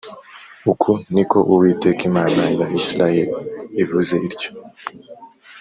Uku ni ko Uwiteka Imana ya Isirayeli ivuze ityo